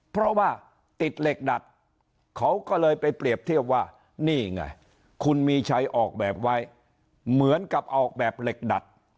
เพราะว่าติดเหล็กดัดเขาก็เลยไปเปรียบเทียบว่านี่ไงคุณมีชัยออกแบบไว้เหมือนกับออกแบบเหล็กดัด